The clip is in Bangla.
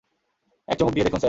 এক চুমুক দিয়ে দেখুন, স্যার।